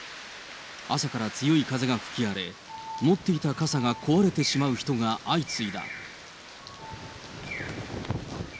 朝から強い風が吹き荒れ、持っていた傘が壊れてしまう人が相次いだ。